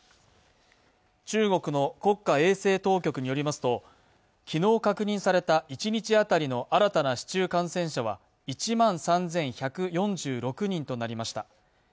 中国の国家衛生当局によりますと、昨日確認された一日当たりの新たな市中感染者は１万３１４６人となりました。